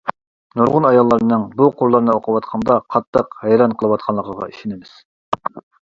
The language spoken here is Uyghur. نۇرغۇن ئاياللارنىڭ بۇ قۇرلارنى ئوقۇۋاتقاندا قاتتىق ھەيران قېلىۋاتقانلىقىغا ئىشىنىمىز.